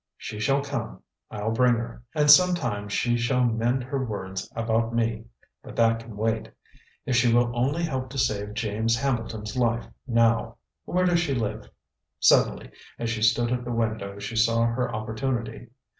"She shall come I'll bring her. And sometime she shall mend her words about me but that can wait. If she will only help to save James Hambleton's life now! Where does she live?" Suddenly, as she stood at the window, she saw her opportunity.